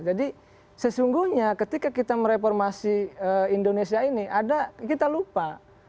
jadi sesungguhnya ketika kita mereformasi indonesia ini ada kita lupa